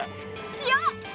塩？